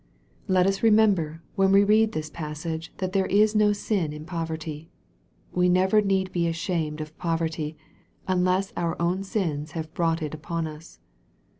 Let us remember, when we read this passage, that there is no sin in poverty. We never need be ashamed of poverty, unless our own sins have brought it upon us.